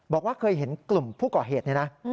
บอกว่าเคยเห็นกลุ่มผู้ก่อเหตุนี่นะ